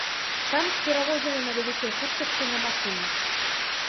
Танк перавозілі на вялікай хуткасці на машыне.